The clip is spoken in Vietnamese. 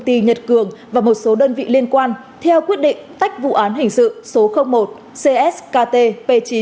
ty nhật cường và một số đơn vị liên quan theo quyết định tách vụ án hình sự số một cskt p chín